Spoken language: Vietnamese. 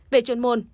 về chuyên môn